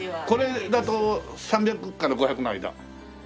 これだと３００から５００の間？